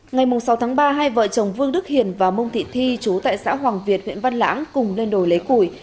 ngày sáu tháng ba hai vợ chồng vương đức hiển và mông thị thi chú tại xã hoàng việt huyện văn lãng cùng lên đồi lấy củi